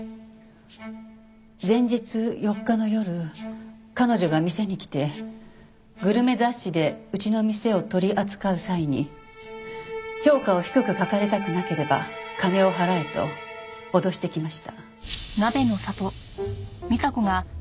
前日４日の夜彼女が店に来てグルメ雑誌でうちの店を取り扱う際に評価を低く書かれたくなければ金を払えと脅してきました。